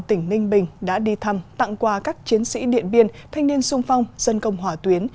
tỉnh ninh bình đã đi thăm tặng quà các chiến sĩ điện biên thanh niên sung phong dân công hỏa tuyến